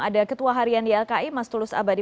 ada ketua harian di lki mas tulus abadi